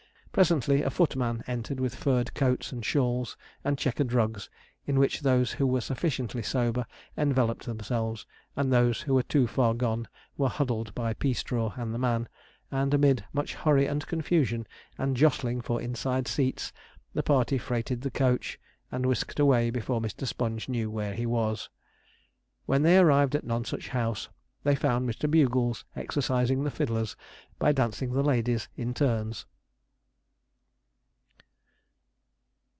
Presently a footman entered with furred coats, and shawls, and checkered rugs, in which those who were sufficiently sober enveloped themselves, and those who were too far gone were huddled by Peastraw and the man; and amid much hurry and confusion, and jostling for inside seats, the party freighted the coach, and whisked away before Mr. Sponge knew where he was. When they arrived at Nonsuch House, they found Mr. Bugles exercising the fiddlers by dancing the ladies in turns.